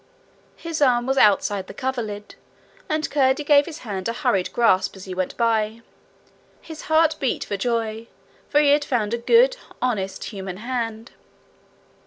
His arm was outside the coverlid, and Curdie gave his hand a hurried grasp as he went by. His heart beat for joy, for he had found a good, honest, human hand.